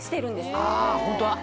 あホントだ。